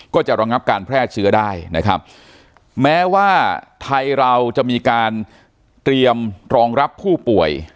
ก็จะระงับการแพร่เชื้อได้นะครับแม้ว่าไทยเราจะมีการเตรียมรองรับผู้ป่วย